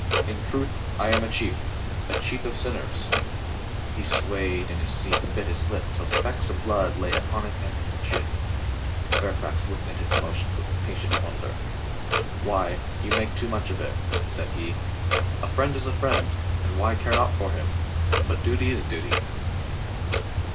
In truth, I am a chief, the chief of sinners." He swayed in his COLONEL RICH LS INTERRUPTED 307 seat and bit his lip till specks of blood lay upon it and his chin. Fairfax looked at his emotions with a patient wonder. "Why, you make too much of it," said he. "A friend is a friend, and why not care for him? But duty is duty."